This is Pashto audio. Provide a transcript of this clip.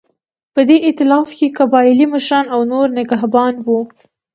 په دې اېتلاف کې قبایلي مشران او نور نخبګان وو.